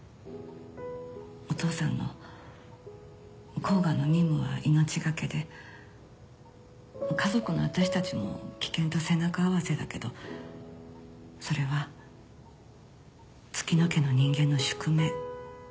「お父さんの甲賀の任務は命懸けで家族の私たちも危険と背中合わせだけどそれは月乃家の人間の宿命」